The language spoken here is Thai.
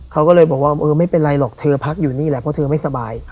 เขาก็เลยบอกว่าเออไม่เป็นไรหรอกเธอพักอยู่นี่แหละเพราะเธอไม่สบาย